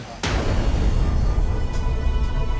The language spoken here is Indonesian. tidak mau tuan